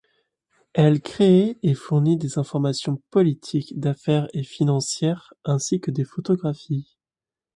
Elle crée et fournit des informations politiques, d'affaires et financières, ainsi que des photographies.